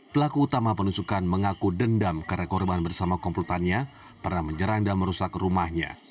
pelaku utama penusukan mengaku dendam karena korban bersama komplotannya pernah menyerang dan merusak rumahnya